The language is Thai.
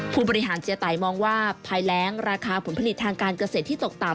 ผู้บริหารเจียไตมองว่าภายแรงราคาผลผลิตทางการเกษตรที่ตกต่ำ